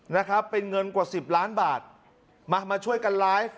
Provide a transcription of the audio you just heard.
นะครับเป็นเงินกว่าสิบล้านบาทมามาช่วยกันไลฟ์